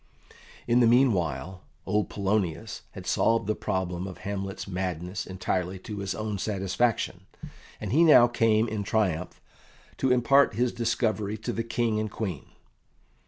In the meanwhile, old Polonius had solved the problem of Hamlet's madness entirely to his own satisfaction, and he now came in triumph to impart his discovery to the King and Queen.